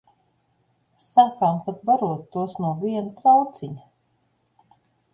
Sākām pat barot tos no viena trauciņa.